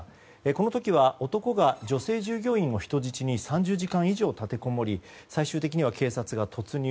この時は男が女性従業員を人質に３０時間以上立てこもり最終的には警察が突入。